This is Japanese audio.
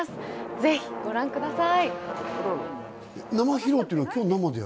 ぜひご覧ください。